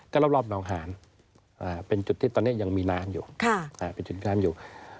ก็รอบน้องหานเป็นจุดที่ตอนนี้ยังมีน้ำอยู่